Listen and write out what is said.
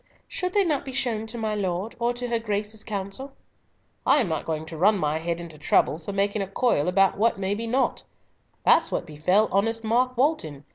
"Should they not be shown to my lord, or to her Grace's Council?" "I'm not going to run my head into trouble for making a coil about what may be naught. That's what befell honest Mark Walton.